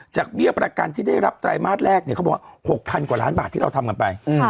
เบี้ยประกันที่ได้รับไตรมาสแรกเนี่ยเขาบอกว่า๖๐๐กว่าล้านบาทที่เราทำกันไป